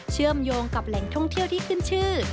เชื่อมโยงกับแหล่งท่องเที่ยวที่ขึ้นชื่อ